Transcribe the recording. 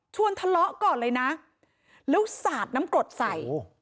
ทะเลาะก่อนเลยนะแล้วสาดน้ำกรดใส่